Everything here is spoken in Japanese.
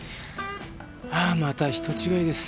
あまた人違いです。